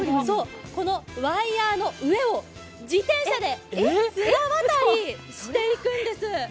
このワイヤーの上を自転車で綱渡りしていくんです。